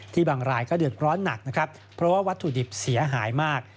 บางรายก็เดือดร้อนหนักนะครับเพราะว่าวัตถุดิบเสียหายมาก